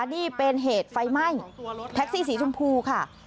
นี่เป็นเหตุไฟไหม้แท็กซี่สีชมพูค่ะ